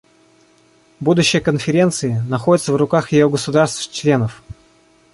Будущее Конференции находится в руках ее государств-членов.